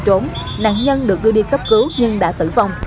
trước đó nạn nhân được gửi đi cấp cứu nhưng đã tử vong